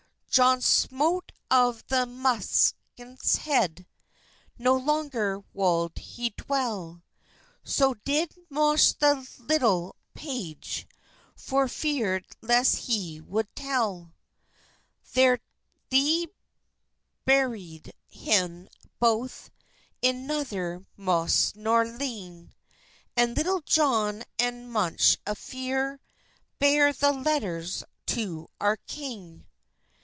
John smote of the munkes hed, No longer wolde he dwelle; So did Moche the litulle page, For ferd lest he wold tell. Ther thei beryed hem both In nouther mosse nor lynge, And Litulle Johne and Muche infere Bare the letturs to oure kyng.